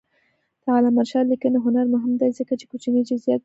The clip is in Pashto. د علامه رشاد لیکنی هنر مهم دی ځکه چې کوچني جزئیات ګوري.